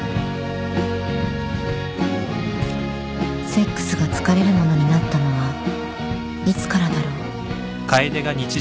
セックスが疲れるものになったのはいつからだろう